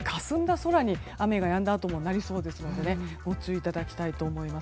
空に雨がやんだ後もなりそうなのでご注意いただきたいと思います。